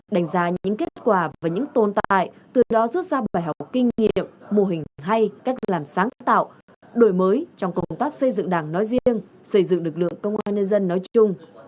đánh giá những kết quả và những tồn tại từ đó rút ra bài học kinh nghiệm mô hình hay cách làm sáng tạo đổi mới trong công tác xây dựng đảng nói riêng xây dựng lực lượng công an nhân dân nói chung